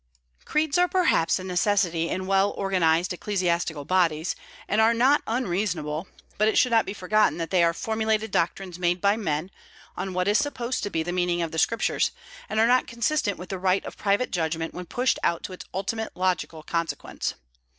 Creeds are perhaps a necessity in well organized ecclesiastical bodies, and are not unreasonable; but it should not be forgotten that they are formulated doctrines made by men, on what is supposed to be the meaning of the Scriptures, and are not consistent with the right of private judgment when pushed out to its ultimate logical consequence.